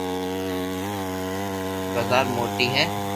بزارر موٽي هي